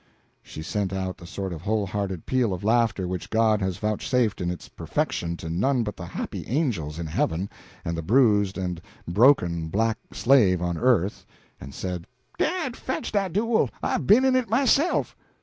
She sent out the sort of whole hearted peal of laughter which God had vouchsafed in its perfection to none but the happy angels in heaven and the bruised and broken black slave on the earth, and said: "Dad fetch dat duel, I be'n in it myself."